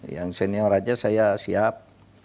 yang senior aja saya siap